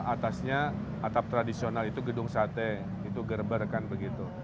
atasnya atap tradisional itu gedung sate itu gerber kan begitu